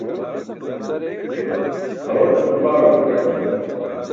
Awatulum paaẏo gakat.